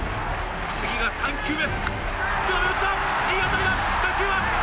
次が３球目。